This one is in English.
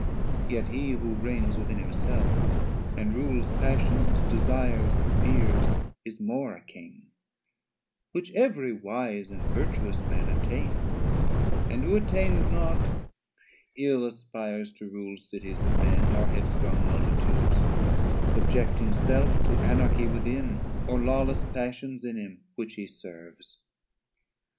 Yet he who reigns within himself, and rules Passions, Desires, and Fears, is more a King; Which every wise and vertuous man attains: And who attains not, ill aspires to rule Cities of men, or head strong Multitudes, 470 Subject himself to Anarchy within, Or lawless passions in him which he serves.